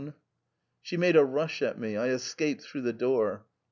* She made a rush at me ; I escaped through the door.